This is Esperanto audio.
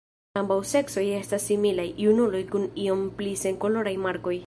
Ambaŭ seksoj estas similaj; junuloj kun iom pli senkoloraj markoj.